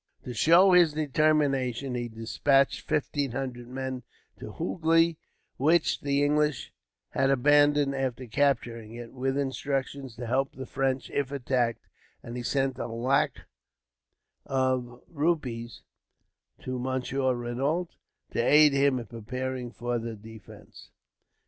To show his determination, he despatched fifteen hundred men to Hoogly, which the English had abandoned after capturing it, with instructions to help the French if attacked; and he sent a lac of rupees to Monsieur Renault, to aid him in preparing for his defence.